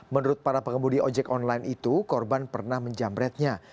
menurut para pengemudi ojek online itu korban pernah menjamretnya